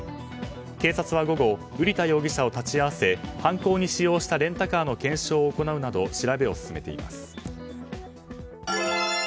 警察は午後瓜田容疑者を立ち会わせ犯行に使用したレンタカーの検証を行うなど調べを進めています。